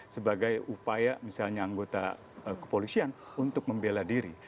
sebagai upaya misalnya anggota kepolisian untuk membela diri